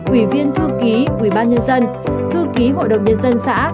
ủy viên thư ký ủy ban nhân dân thư ký hội đồng nhân dân xã